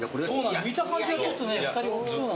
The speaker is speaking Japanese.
見た感じはちょっとね２人大きそうなの。